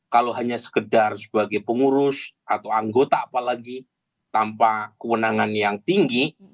kalau hanya sekedar sebagai pengurus atau anggota apalagi tanpa kewenangan yang tinggi